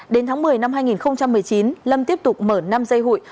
đến tháng một mươi năm hai nghìn một mươi chín lâm tiếp tục mở năm dây hụi